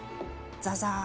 ザザー。